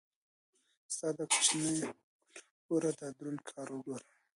ستا دا کوچنۍ کونه ګوره دا دروند کار وګوره.